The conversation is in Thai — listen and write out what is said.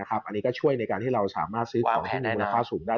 อันนี้ก็ช่วยในการที่เราสามารถซื้อเวราคาสูงได้